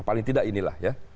paling tidak inilah ya